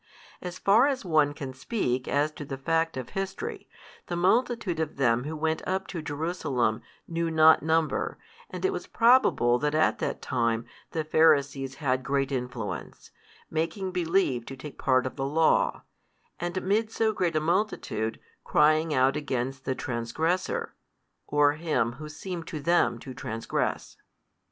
As far as one can speak as to the fact of history, the multitude of them who went up to Jerusalem knew not number, and it was probable that at that time the Pharisees had great influence, making believe to take the part of the law, and mid so great a multitude crying out against the transgressor, or Him Who seemed to them to transgress.